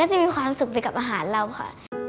จะมีความสุขไปกับอาหารเราค่ะ